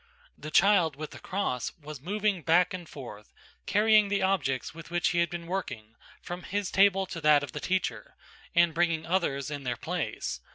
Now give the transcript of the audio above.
The child with the cross was moving back and forth, carrying the objects with which he had been working, from his table to that of the teacher, and bringing others in their place.